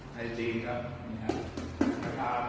ใต้จริงครับ